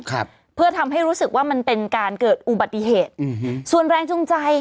ครับเพื่อทำให้รู้สึกว่ามันเป็นการเกิดอุบัติเหตุอืมส่วนแรงจูงใจ